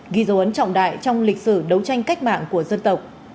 ghi dấu ấn trọng đại trong lịch sử đấu tranh cách mạng của dân tộc